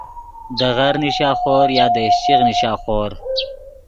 دے غر نیشا خور یا دے اِشچیغ نیشا خور